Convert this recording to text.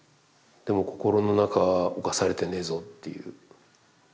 でも心の中は侵されてねぇぞっていう。